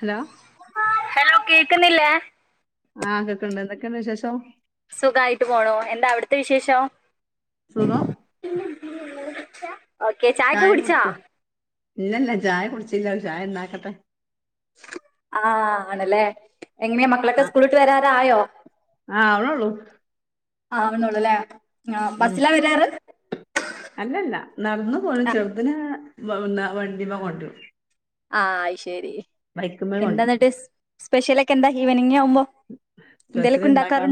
Hello കേക്ക്ന്നില്ലേ? ആ കേക്ണ്ട് എന്തൊക്കെണ്ട് വിശേഷം സുഖായിട്ട് പോണോ എന്താ അവിടുത്തെ വിശേഷം സുഖം [unintelligible] ചായൊക്കെ ചായ കുടിച്ചാ കുടിച്ചു. ഇല്ലല്ല ചായ കുടിച്ചില്ല ചായണ്ടാക്കട്ടെ. ആ ആണല്ലേ എങ്ങനെയാ മക്കളൊക്കെ സ്കൂളിട്ട് വരാറായോ? ആ ആവണൊള്ളൂ. ആ ആവ്ണുള്ളൂല്ലേ, ആ ബസ്സിലാ വരാറ്? അല്ലല്ല നടന്നു പോരും ചെറുതിന്നെ വണ്ടിമ്മ കൊണ്ടരും. ആ അയ് ശരി. ബൈക്ക്മ്മേ കൊണ്ടരും. സ്പെഷ്യലക്കെന്താ ഇവനിങ് സ്പെഷ്യൽണ്ടാക്കാൻ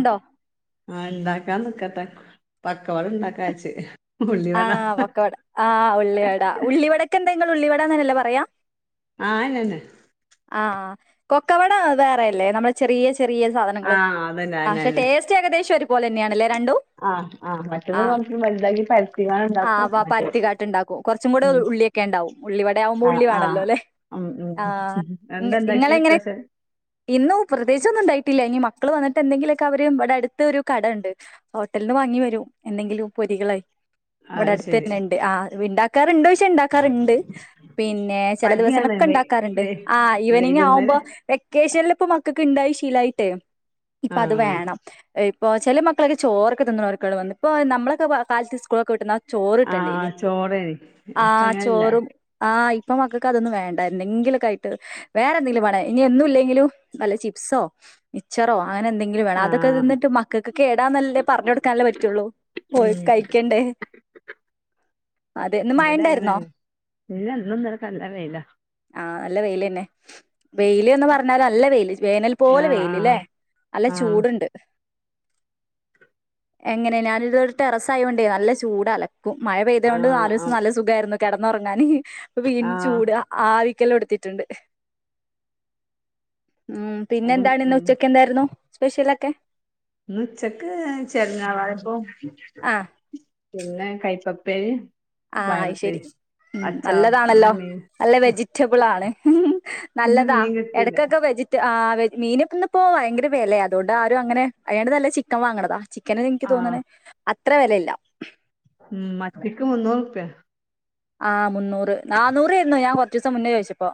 ആ ഇണ്ടാക്കാൻ നിക്കട്ടെ. പക്കവണ്ടാക്കാച്ചു. ആ പൊക്കവട ആ ഉള്ളിവടാ ഉള്ളിവടക്കന്തെങ്ങൾ ഉള്ളിവടാന്നല്ലേ പറയാ? ആ അന്ന ന്നെ. ആ കൊക്കവട വേറെല്ലേ, നമ്മളെ ചെറിയ ചെറിയ സാധനങ്ങള്. ആഹ് അതന്നെ ആ പക്ഷെ അയന്നെന്നെ ടേസ്റ്റ് ഏകദേശം ഒരുപോലെന്നെയാണല്ലേ രണ്ടും ആഹ് ആഹ് മറ്റത് ആ കൊറച്ച് വലുതാക്കി പരത്തിങ്ങാണ്ട് ആ ഇണ്ടാക്കും പ്പൊ മറ്റേത് പരുത്തികാട്ട്ണ്ടാക്കും കുറച്ചുംകൂടെ ഉം ഉള്ളിയൊക്കെ ണ്ടാവും. ഉള്ളിവടാവുമ്പോ ആഹ് ഉള്ളി ആഹ് വാണല്ലോ ല്ലേ? ഉം ഉം. ഇങ്ങ എന്താ ഇണ്ടാക്കിയെ ഇങ്ങളെങ്ങനെ സ്പെഷ്യൽ ഇന്നും പ്രത്യേചൊന്നും ഉണ്ടായിട്ടില്ല ഇനി മക്കള് വന്നിട്ടന്തെങ്കിലൊക്കെ അവര് ഇവടെ അടുത്തൊരു കടണ്ട് ഹോട്ടൽന്ന് വാങ്ങി വരും. എന്തെങ്കിലും പൊരികളായി ഇവിടെ അഹ് ശരി അടുത്തന്നെണ്ട് ആഹ് ഇണ്ടാക്കാറുണ്ട് ഇണ്ടാക്കാറുണ്ട് പിന്നെ ചെല ദിവസ മടിയാണ് വൈ മക്കെണ്ടാക്കാറുണ്ട്. വൈ ആ ഈവനിങ് ആവുമ്പോ വൈകുന്നേരം വെക്കേഷനിൽ ഇപ്പ മക്കക്ക്ണ്ടായി ശീലായിട്ടേ ഇപ്പത് ആഹ് വേണം. ഇപ്പോ ചെല മക്കളൊക്കെ ചോറൊക്കെ തിന്നുണോർക്ക് വന്ന ഇപ്പോ നമ്മളൊക്കെ കാലത്ത്ൽ സ്കൂളൊക്കെ വിട്ടു ആഹ് ചോറിട്ടണ്ടയ്നി ചോറേനി ആ ഇപ്പ അങ്ങനല്ല ചോറും ആ ഇപ്പ മക്കൾക്ക് അതൊന്നും വേണ്ട എന്തെങ്കിലൊക്കെ വേറെന്തെങ്കിലും വേണെ ഇനി എന്നുംല്ലെങ്കിലും നല്ല ചിപ്സോ മിച്ചറോ അങ്ങനെന്തെങ്കിലും വേണം ആഹ് അതൊക്കെതിന്നിട്ട് മക്കൾക്ക് കേടാന്നല്ലേ പറഞ്ഞൊടുക്കാനല്ലേ പറ്റുള്ളൂ പോയി ഉം കഴിക്കണ്ടേ. അതെ ഇന്ന് മഴ ഇവടെ ഉണ്ടായിരുന്നോ അങ്ങനെല്ല പിന്നെഇന്നുന്നലക്കല്ല വെയില. വെയ്ലന്നെ വെയ്ൽന്ന് പറഞ്ഞൽ നല്ല വെയി വേനൽ പോലെ വേയിൽ ആഹ് ല്ലേ നല്ല ആഹ് ചൂടുണ്ട്. എങ്ങനെ ഞാനിതൊരു ടെറസ് ആയോണ്ടേ നല്ല ചൂടാല മഴ ആഹ് പെയ്തോണ്ട് ആഹ് നാലൂസം ആഹ് നല്ല സുഖായിരുന്നു കെടന്നുറങ്ങാന് ഇപ്പ വീണ്ടും ആഹ് ചൂട് ആവി ക്കലോടുത്തിട്ടുണ്ട് മ് അതും പിന്നെന്താണ് ഉം ഇന്നുച്ചക്കെന്തായിരുന്നു? സ്പെഷ്യലൊക്കെ? ന്ന് ഉച്ചക്ക് ചെരങ്ങാ താളിപ്പും ആഹ് പിന്നെ കൈപ്പപ്പേരി ആ അത്‌ ശരി മ് ഇന്ന് നല്ലതാണല്ലോ മീൻ നല്ല വെജിറ്റബിൾ ആണ്. ഇന്ന് നല്ലതാ മീൻ കിട്ടിയില്ല ഇടക്കൊക്കെ വെജിറ്റ ആ മീനപ്പന്നപ്പോ ഭയങ്കരവിലയ അതൊണ്ട് ആരുംങ്ങനെ അയ്നാട്ടി നല്ലത് ചിക്കൻ വാങ്ങണതാ. ചിക്കന് എനിക്ക് തോന്നണ അത്ര വിലല്ല. മ് മത്തിക്ക് മുന്നൂറുപ്യ. ആഹ് മുന്നൂറ് നന്നൂറായ്രുന്നു ഞാൻ കുറചീസം മുന്നേ ചോയ്ച്ചപ്പോ.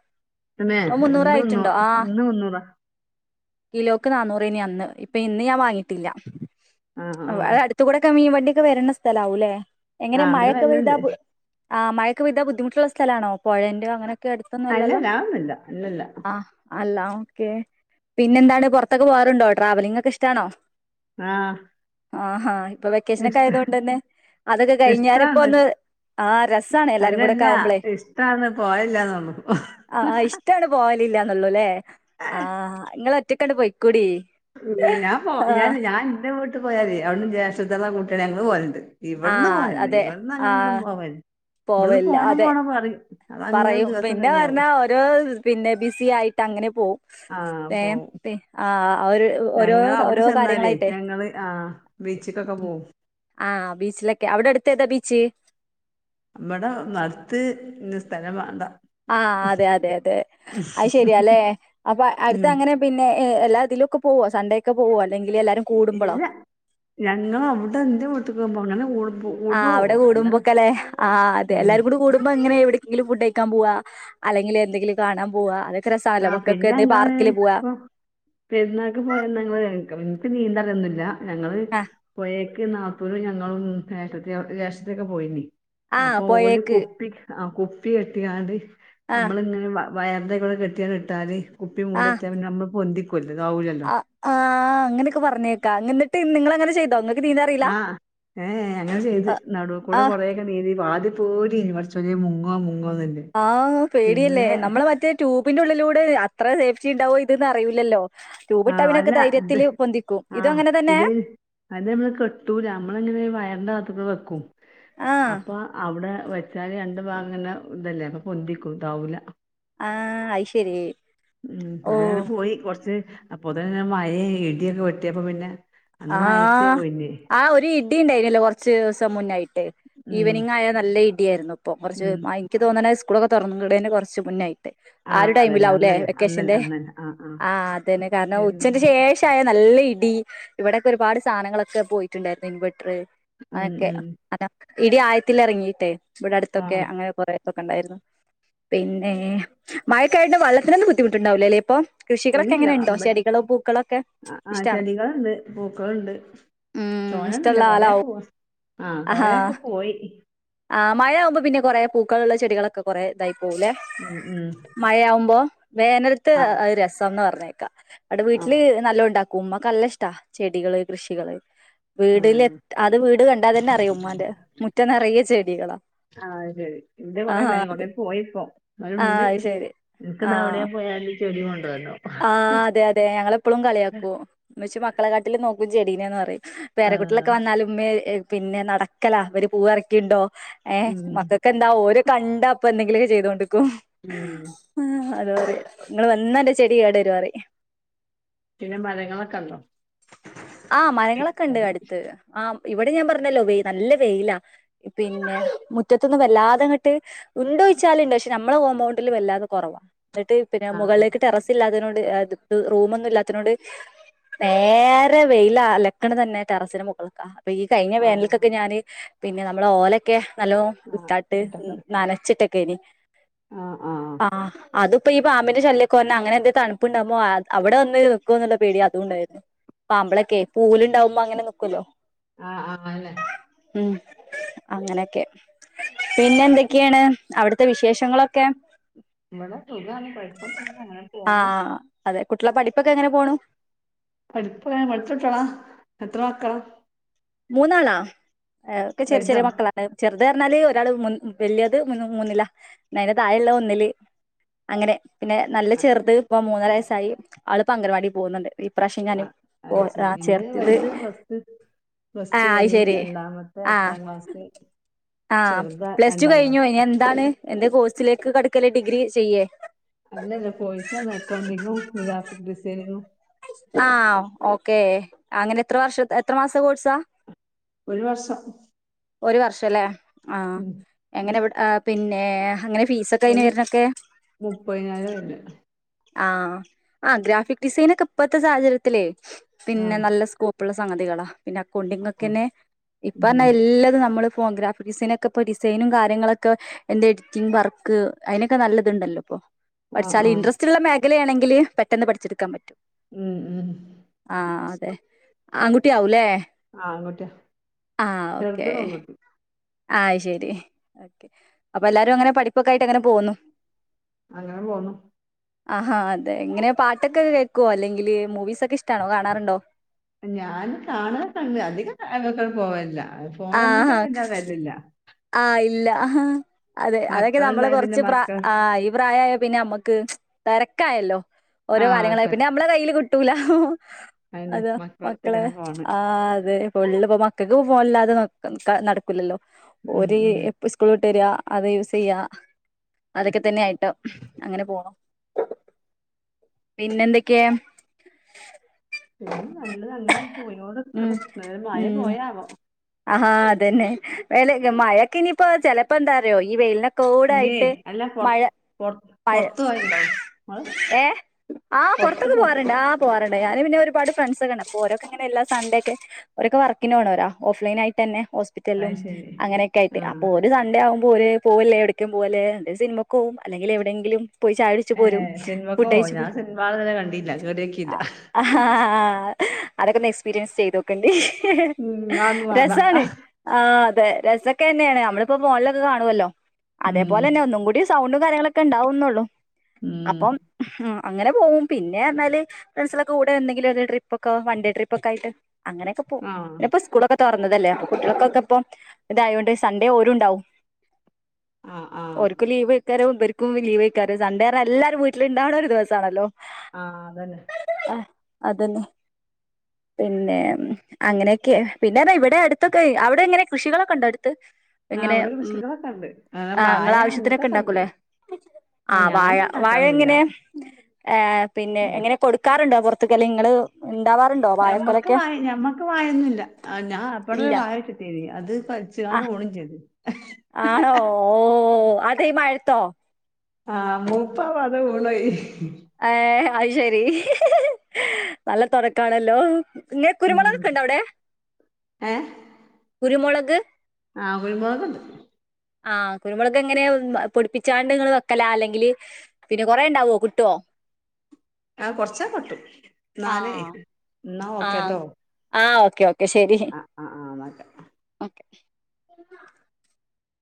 എന്നേ എന്തന്നു ഇന്ന് മുന്നൂറാ. കിലോക്ക് നന്നൂറയ്ൻ അന്ന് ഇപ്പൊ ഇന്ന് ഞാൻ വാങ്ങിട്ടില്ല ആഹ് അ ആഹ് അടുത്തുടൊക്കെ മീൻ വണ്ടി വരുന്ന സ്ഥലവുംല്ലേ എങ്ങനെ ആഹ് ഇന്നലെ മഴൊക്കെ പെയ്താ വെല്ലണ്ട് ആ മഴൊക്കെ പെയ്ത ബുദ്ധിമുട്ടുള്ള സ്ഥലണോ പുഴന്റെ അങ്ങനെ അടുത്തൊന്നും അല്ലല്ലോ അല്ലല്ല അതൊന്നുല്ല അല്ലല്ല. ആ അല്ല ഓക്കേ പിന്നെന്താണ് പുറത്തൊക്കെ പോവാറുണ്ടോ ട്രാവലിംഗക്കെ ഇഷ്ടാണോ? ആഹ ആഹാ ഇപ്പൊ വെക്കേഷനൊക്കെ ആയത കൊണ്ട് തന്നെ അതൊക്കെ കഴിഞ്ഞിരെപ്പ ഒന്ന് ആ അയിനല്ല ഇഷ്ടാണ് പോയേല്ല ന്നുള്ളൂ പോവലില്ലന്നള്ളൂല്ലേ ആ നിങ്ങള ഒറ്റക്കണ്ട് പോയിക്കൂടി ഉ ഞാൻ ഞൻ ഞാൻ എന്റെ വീട്ട് പോയാല അവിട്ന്ന് ജേഷ്ട്ടത്തെള്ള കൂട്ടിയാണ് ഞങ്ങൾ പോയലുണ്ട് ഇവിടന്ന് ആഹ് പോയില്ല അതെ ഇവിടന്ന് അങ്ങനെ ഒന്നും ആഹ് പോവല്ല ഇവിടുന്ന് പോവല്ല പോണം അതെ പോണം പറയും അതങ്ങനെ പറയും ദിവസം പിന്നെ കഴിഞ്ഞാവും. പറഞ്ഞാ ഓരോ പിന്നെ ബിസി ആയിട്ട് അങ്ങനെ പോ ആഹ് പോവും. ആ ഓരോ ഓരോ കാര്യങ്ങളായിട്ടെ ബിച്ചിക്കൊക്കെ പോ ആഹ ബീച്ചിലൊക്കെ അവിടെ അടുത്ത ഏതാ ബീച്ച് നമ്മടെ നടുത്ത് സ്ഥലം വാണ്ട ആഹ അതെ അതെ അതെ അത് ശെരിയ അല്ലെ അപ്പൊ അടുത്ത ഉം അങ്ങനെ പിന്നെ എല്ലാ ഇതിലും ഒക്കെ പോവ സൺഡേ ഒക്കെ പോവ ഇല്ല ഞങ്ങ അവിടെ എന്ത് വീട്ടിക്ക് പോ അങ്ങനെ കൂടുമ്പോ കൂടുമ്പോ അവിടെ പോകുള്ളൂ. അല്ലാതെ കൂടുമ്പോക്കല്ലെ അ ഉം എല്ലാരും കൂടുമ്പോ അങ്ങന എവിടെക്കെങ്കിലും ഫുഡ് പോ അല്ലെങ്കിൽ എന്തെങ്കില കാണാൻ പോവാ രസാണല്ലോ ആ മക്കൾക്ക് പിന്നെ എന്തെ അങ്ങള് പാർക്കില് പോവാ പ്പം പെര്ന്നാക്ക് പോയന്നങ്ങള് എനിക്ക് നീന്താനൊന്നറിയില്ല ഞങ്ങള് ആ പോയ നാത്തൂനും ഞങ്ങളും ഏട്ടത്തി ജേഷ്ടത്തൊക്കെ പോയിനി ആ അപ്പൊ ഒരു ഓല് പൊഴേക്ക് കുപ്പി കുപ്പി കെട്ടിയാല് ആ നമ്മളിങ്ങനെ വയറിന്റെ കൂടെ കെട്ടിയാണ് ഇട്ടാല് കുപ്പി ആ മൂടച്ചൻ നമ്മ പൊന്തി ആ ആ അങ്ങനെയൊക്കെ പറഞ്ഞേക്കാ എന്നിട്ട്ട്ട് നിങ്ങള് അങ്ങനെ ചെയ്തോ അ ആഹ് ഏ അങ്ങനെ ചെയ്ത് ആ ആ നടുകൂടെ കൊറെൊക്കെ നീന്തി വാതി പേടിയേനി പാച്ചോനെ മുങ്ങോ മു ആഹ് പേടിയല്ലേ നമ്മെ മറ്റേ ട്യൂപ്പിന്റെ ഉള്ളിലൂടെ അത്ര സേഫ്റ്റി ഉണ്ടാവോ ഇതന്ന് അറിയില്ലോ ആഹ് അല്ല ഇത് ഇതും ആഹ് അങ്ങനെ തന്നെ ഇത് അതയ്ന് നമ്മള് കെട്ടൂല നമ്മള് ഇങ്ങനെ വയറിന്റെ ഭാഗത്ത് വ ആ അപ്പ അവിടെ വച്ചാലി രണ്ട് ഭാഗം അങ്ങനെ ഇതല്ലേ അപ്പൊ പൊന്തിക്കും ഇതാവൂല ആ അയ്ശരി ഓ ഉ പോയി കൊറച്ച് അപ്പൊതുന് മഴയും ഇടിയൊക്കെ വെട്ടിയപ്പ പിന്നെ അന്ന് മഴയത്തേ ആഹ് പോയിന് ആ ഒരു ഇടി ഉണ്ടായിുന്നല്ലോ കുറച്ചു ദിവസം മുന്നായിട്ട് ഉം ഈവനിങ് ആയാൽ നല്ല ഇടിയായിരുന്നു ഇപ്പൊ കൊറച്ച് ഉം എനിക്ക് തോന്നണ സ്‌കൂളൊക്കെ തൊറക്ക്ടേന് കൊറച്ച് മുന്നയിട്ട് ആ ഒരു അതന്നെ ടൈമിലാവല്ലേ അന്നന്നെ അന്നന്നെ വെക്കേഷന്റെ അന്നന്നെ ആ ആ ആഹ് അതെ കാരണം ഉച്ചന്റെ പെരുന്നാളിന്റെ ശേഷായ നല്ല ഇ ഇവിടെൊക്കെ ഒരുപാട് സാധനങ്ങളൊക്കെ പോയിട്ടുണ്ടായിരുന്നു ഇൻവെർട്ടർ ഉം അതൊക്കെ ഉം അതൊ ഇടി ആയത്തിൽ ഇറങ്ങീയിട്ടെ ഇവിടെ ആ അടുത്തൊക്കെ അങ്ങനെ കൊറെ തൊക്കെ ഉണ്ടായിരുന്നു പിന്നെ മഴക്കായി വെള്ളത്തിനൊന്നും ബുദ്ധിമുട്ടുണ്ടാവില്ലോ അല്ലേ ഇപ്പൊ കൃഷികളൊക്കെ ഇല്ല എങ്ങനെ ഉണ്ടോ അമ്പൽ ചെടികളോ പൂക്കളോ ഒക്കെ ഇഷ്ടണോ ണ്ട് പൂക്കളുണ്ട് തോനെന്നുല്ല ഇഷ്ടമുള്ള കൊറെക്കെ ആളാവും പോ ആ ആഹാ കൊറെയൊക്കെ പോയി ആ മഴയാകുമ്പോൾ പിന്നെ കൊറെ പൂക്കളുള്ള ചെടികളൊക്കെ കുറെ ഇതായി പോല്ലെ ഉം ഉം മഴയാവുമ്പോ വേനലത്ത് ആ ഒരു രസംന്ന് പറഞ്ഞ അവിടെ ആ വീട്ടില് നല്ല ഉണ്ടാക്കും ഉമ്മക്ക്ല്ല ഇഷ്ടാ ചെടികള് കൃഷികള് ആ വീടിലെ അത് വീട് കണ്ടാ തന്നെ അറിയും ഉമ്മാന്റെ മുറ്റം നിറയിയ ചെടികളാ ആഹ് ശരി ഇത് ആഹാ കൊറെണ്ടായിനി അത് കൊറേ പോയിപ്പോ ആ നാലുണ്ട് അത് ശരി എനക്ക്താ അവിടെയാ പോയല് ആ അതെ അതെ ഞങ്ങള് എപ്പോഴും കളിയാക്കൂ മ്മച്ചി മക്കളെ കാട്ടിലും നോക്കും ചെടികളെന്ന് പറഞ്ഞു ആഹ് പേരക്കുട്ടിലൊക്കെ വന്നാലും ഉമ്മേ പിന്നെ നടക്കല അവര് പൂവ് പറിക്കിണ്ടോ ഏഹ് ഉം മക്കൾക്കെ എന്താ ഓര് കണ്ട അപ്പ എന്തെങ്കിലുമൊക്കെ ചെയ്തോണ്ടിരിക്കോ ഉം അത് ങ്ങള് വന്ന ന്റെ ചെടി കേട് വരും പറയും പിന്നെ മരങ്ങളൊക്കെണ്ടോ ആ് മരങ്ങളൊക്കെ ഉണ്ട് അടുത്ത് ആ ഇവിടെ ഞാൻ പറഞ്ഞല്ലോ വെ നല്ല വെയിലാ പിന്നെ മുറ്റത്തൊന്നും വല്ലാതെങ്ങട്ട് ചോദിച്ചാലുണ്ട് പക്ഷെ നമ്മളെ കോമ്പൗണ്ടില് വല്ലാതെ കൊറവ ന്നിട്ട് പിന്നെ ആഹ് മുകളിലേക്ക് ടെറസ് ഇല്ലാത്തതിനോ റൂ ല്ലാത്തിനോട് നേരെ വെയില് അലക്കണ തന്നെ ടെറസിന് മുകളൾക്ക അപ്പൊ ഈ കഴിഞ്ഞ ആഹ് വേനലക്കൊക്കെ ഞാന് പിന്നെ നമ്മുടെ ഓലൊക്കെ നല്ലോ ആഹ് ഉട്ടാട്ട് ഇട്ടക്കറി നനച്ചിട്ടക്കൈനു ആഹ് ആഹ് ആ ഇപ്പൊ ഈ പാമ്പിന്റെ ശല്യകൊവേരണ് എന്തൊ തണുപ്പുണ്ടാുമോ അവിടെ വന്ന് നിൽക്കുവ എന്ന പേടി അതുകൊണ്ടായിരുന്നു പാമ്പളൊക്കെ പൂലുണ്ടാവുമ്പോ അങ്ങനെ നിക്കൊല്ലോ ആഹ് ആഹ് അല്ലേ ഉം അങ്ങനെയൊക്കെ പിന്നെ എന്തൊക്കെയാണ് അവിടുത്തെ വിശേഷങ്ങളൊക്കെ ഇവിടെ സുഖാണ് കുഴപ്പൊന്നൂല്യ അങ്ങനെ പോുന്നു കുട്ടളെ പഠിപ്പൊക്കെ എങ്ങനെ പോണു പഠിപയാ പഠിച്ചട്ട്യളാ എത്രവക്കള മൂന്നാളാ ഒക്കെ ചെറ്യ വലുതോ ചെറ്യ മക്കളാണ് ചെറ അത്റഞ്ഞാല് ഒരാള് വെല്യത് മൂന്നിലാ നേരെ താഴള്ളത് ഒന്നില് അങ്ങനെ പിന്നെ നല്ല ചെറുത് ഇപ്പ മൂന്നരസ്സായി ആളിപ്പോ അംഗൻവാടി പോന്നുണ്ട് ആ അത് ശരി ന്റെ വലുത് പ്ലസ്ട് പ്ലസ്റ്റ് ആഹ് അത് കഴിഞ്ഞ് ശരി രണ്ടാമത്തെ ട്ടാം ക്ലാസ് ആ ചെറുത് പ്ലസ് ടു രണ്ടാം ക്ലാസ് കഴിഞ്ഞുവോനി എന്താണ് എന്തേ കോഴ്സിലേക്ക് കടക്കല് ഡിഗ്രി ചെയ്യേ അല്ലല്ല [unintelligible] അക്കൗണ്ടിങ്ങും ഗ്രാഫിക് ഡിസൈനിങ്ങും ആ ഓക്കേ അങ്ങനെ ത്ര വർഷ എത്ര മാസ്തെ കോഴ്സാ ഒരു വർഷം ഒരു വർഷല്ലേ ആ ഉം എങ്ങനെവി അപിന്നെ ഫീസൊക്കെ ഒരു അയനേട്ന്നക്കെ മുപ്പതിനായിരം വരുന്നേ ആ ആ ഗ്രാഫിക് ഡിസൈനക്കെ ഇപ്പത്തെ സാഹചര്യത്തിലേ പിന്നെ ആഹ് നല്ല സ്കോ പ്പുള്ള സംഗതികളാ പിന്നെ ആഹ് അക്കൗണ്ടിങ്ങക്കെനെ ഇപ്പന്ന ഉം എല്ലാതും മ്മള് ഫോഗ്രാഫിക്സൈനൊക്കെ പ്പോ ഡിസൈനും കാര്യങ്ങളൊക്കെ എന്ത എഡിറ്റിംഗ് വർക്ക് അതിനൊക്കെ നല്ലത്ണ്ടല്ലോ ഇപ്പൊ ആഹ് പഠിച്ചാല് ആഹ് ഇൻട്രസ്റ്റ് ഉള്ള മേഖല ആണെങ്കിൽ പെട്ടെന്ന് പഠിച്ചെടുക്കാൻ പറ്റും മ് മ് ആൺകുട്ടിയാവൂലെ ആ ആൺകുട്ടിയാ ആ ഓക്കേ ചെറുത് പെൺകുട്ടി ആയ്ശെരി അപ്പൊ എല്ലാരും അങ്ങനെ പഠിപ്പൊക്കൊയിട്ട് അങ്ങനെ പോന്നു അങ്ങനെ പോണു ആ അതെ ഇങ്ങനെ പാട്ടൊക്കെ കേക്കുവോ അല്ലെങ്കില് മൂവീസ് ഒക്കെ ഇഷ്ടാണോ കാണാറുണ്ടോ ഞാൻ കാണലൊക്കെ ണ്ട് അതികം പോവലില്ല [unintelligible] ആ ഇല്ല അതെ അതൊക്കെ നമ്മള് മക്കളുണ്ടായ പിന്നെ കൊറച്ച് പ്ര മക്കൾ ആ ഈ പ്രായായ പിന്നെമ്മുൺക്ക് തെരക്കായല്ലോ ഓരോ ആഹ് കാര്യങ്ങളായി അതെ പിന്നെ നമ്മളെ കയ്യില് കിട്ടൂല അതന്നെ അത മക്കളെ മക്കളടുത്തേക്കാണ് ഫോണ് ആ അതെ ഫുള്ള്പ്പോ മക്ക ഫോണല്ലാതെ നടക്കൂല്ലല്ലോ ഉം ഓര് ഉം എപ്പൊ സ്കൂൾ വിട്ട് വര്ന്ന അത് യൂസ് യ്യാ അതൊക്കെ തന്നെ ആയിട്ട് അങ്ങനെ പോണൂ പിന്നെന്തൊക്കെ പിന്നെ നല്ലതന്നെ ഉം പോയോട്നിക്കണ് മഴ മയ ഉം പോയാവോ ആഹാ അതന്നെ വെല മഴക്കനീപ്പോ ചെലപ്പന്താറിയോ ഈ വെയിലിന ഇഞ്ഞേ കോടായിട്ട് അല്ല മഴ പൊറത്ത് പൊറത്ത് പ പൊറത്ത് പോവലുണ്ടോ ഇങ്ങള് ഏ ആ പൊറത്ത് പൊറത്തൊക്കെ പോ പോവാറുണ്ട് ആ പോവാറുണ്ട് ഞാന് പിന്നെര്പാട്ള്ള ഫ്രണ്ട്സ് ഒക്കെണ്ട് അപ്പോ ഓരെക്കപ്പം ങ്ങനെ ല്ലാസൺടേക്ക് ഓരൊ ക്കെ വർക്കിന് പോണരാ ഓഫ്ലൈൻ ആയിട്ടന്നെ ഓസ്പിറ്റലും അത് ശരി അങ്ങനെക്കെയിട്ട് ആഹ് അപ്പോര് സൺഡേ ആ പോലെ പോവല്ലേവിടേക്കുംപോലെ സിനിമക്ക്പോവും അല്ലെങ്കിലെവിടെങ്കിലും പോയി ചായ കുടിച്ചു ഏ പോരും സിനിമക്ക് പോവോ ഫുഡയിച്ച് ഞാൻ പോരും സിനിമ ഇതുവരെ കണ്ടില്ല കേറിയോക്കിയില്ല ആ അതൊക്കന്ന് എക്സ്പീരിയൻസ് ചെയ്ത് നോക്കണ്ട് അങ്ങാന്നും വാണ്ട ആ അതെ രസൊക്കെന്നെയാണ് നമ്മളിപ്പോ ഫോണിലൊക്കെ കാണുവല്ലോ ഉം അതേപോലെന്നെ ഒന്നും കൂടി [inaudible] സൗണ്ടും കാര്യങ്ങളൊക്കെണ്ടാവുന്നുള്ളു ഉം അപ്പം അങ്ങനെ പോകും പിന്നെ എന്നാല് ഫ്രണ്ട്സിലൊക്കെ കൂടെ എന്തെങ്കിലുംക്കെ ട്രിപ്പക്കെ വൺ ഡേ ട്രിപ്പക്കായിട്ട് അങ്ങനെയൊക്കെ പോ ആ ളൊക്കെ തൊറന്നതല്ലേ അപ്പൊ കുട്ടികൾക്കൊക്കെ ഇപ്പം ഇതായോണ്ട് സൺഡേ ഓരുണ്ടാവും ആ ആ ഇക്കരവും ബൽക്കും ലീവേക്കാരം സണ്ടേറഞ്ഞ എല്ലാരും വീട്ടിലിണ്ടാവുന്ന ഒരു ദിവസാണല്ലോ ആ അതന്നെ അതന്നെ പിന്നെ അങ്ങനെ ഓക്കെ പിന്നെന്നാ ഇവിടെ അടുത്തൊക്കെ അവിടെ എങ്ങനെ കൃഷികളൊക്കെണ്ടൊ ആ ഇങ്ങനെ അവിടെ കൃഷികളൊക്കെ ഉണ്ട് അങ്ങനെ ആ വായ നിങ്ങളെ അങ്ങനത്തെ ആവശ്യത്തിനൊക്കെ ഒക്കെ ഉണ്ട് ഉണ്ടാക്കേല്ലേ ആ ഞാൻ വാഴ വാഴ ഉണ്ടാക്കാറില്ല എങ്ങനെ ആ പിന്നെ ഞ- എങ്ങനെ കൊടുക്കാറുണ്ട് പുൊറത്തക്ക് അല്ലെ നിങ്ങള് ഉണ്ടാവാറുണ്ടോ ഞമ്മക്ക് വാഴക്കൊലൊക്കെ വായ ഞമ്മക്ക് വായന്നില്ല ആ ഞാ ബട ഒരു ഇല്ല വാഴ ച്ചിട്ടിനി അത് കൊലിച്ചികാണ്ട് ആഹ് വിണും ചെയ്ത് ആണോ ഓ അതേമഴത്തോ ആഹ് മൂപ്പാവാതെ വിണോയി ഏ അത് ശരി നല്ല തുടക്കാണല്ലോ ഇങ്ങ ഉം കുരുമുളക് ക്കെ ഇണ്ട അവിടെ കുരുമുളക് ആഹ് കുരുമുളക്ണ്ട് ആഹ് കുരുമുളൊക്കെ എങ്ങനെ പൊടിപ്പിച്ചാണ്ട് നിങ്ങള് വെക്കല അല്ലെങ്കിൽ പിന്നെ കൊറെേ ഉണ്ടാവോ കുട്ടുവോ ആ കൊറച്ചാ കട്ടും നാല് ആഹ് ആഹ് ആഹ് ഓക്കെ ഓക്കെ ശരി ആ ആ ആ എന്നാ